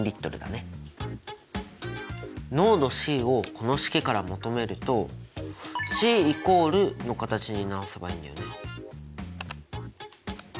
濃度ｃをこの式から求めると「ｃ＝」の形に直せばいいんだよね。